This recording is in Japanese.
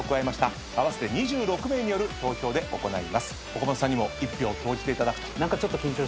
岡本さんにも１票投じていただくと。